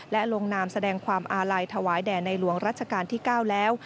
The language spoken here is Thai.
และลงนามแสดงความอาลัยถวายแด่ในหลวงรัชกาลที่๙แล้ว